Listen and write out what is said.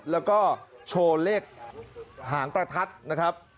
แล้วก็โชว์เลขหางประทัดนะครับ